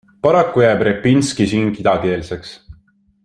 Paraku jääb Repinski siin kidakeelseks.